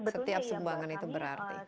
setiap sumbangan itu berarti